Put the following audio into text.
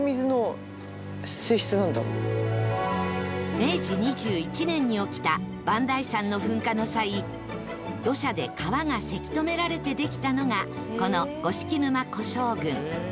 明治２１年に起きた磐梯山の噴火の際土砂で川がせき止められてできたのがこの五色沼湖沼群